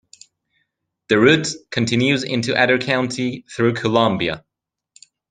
The route continues into Adair County through Columbia.